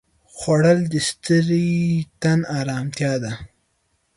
خوړل د ستړي تن ارامتیا ده